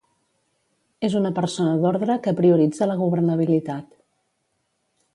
És una persona d’ordre que prioritza la governabilitat.